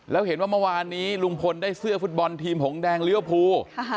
แล้วเห็นว่าเมื่อวานนี้ลุงพลได้เสื้อฟุตบอลทีมหงแดงเลี้ยวภู